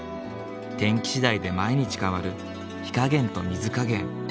天気次第で毎日変わる火加減と水加減。